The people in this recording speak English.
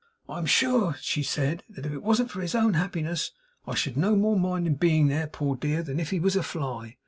'I am sure,' she said, 'that if it wasn't for his own happiness, I should no more mind him being there, poor dear, than if he was a fly.